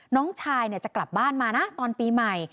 น้องชายจะกลับบ้านมานะตอนปีใหม่